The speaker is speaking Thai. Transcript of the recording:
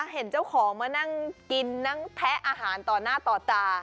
เห็นเจ้าของมานั่งกินนั่งแทะอาหารต่อหน้าต่อตา